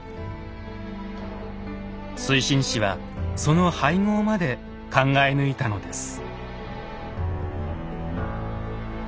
水心子はその配合まで考え抜いたのです。